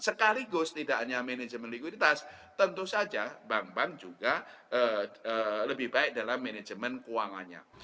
sekaligus tidak hanya manajemen likuiditas tentu saja bank bank juga lebih baik dalam manajemen keuangannya